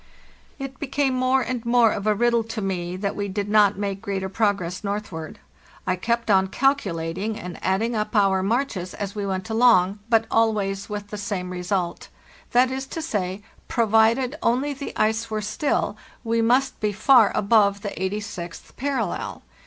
It became more and more of a riddle to me that we did not make greater progress northward. I kept on calculating and adding up our marches as we went aiong, 164 PARLHESL NORTH but always with the same result; that is to say, provided only the ice were still, we must be far above the eighty sixth parallel.